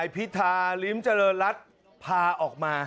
พิทธาริมจริรัทธ์พาออกมา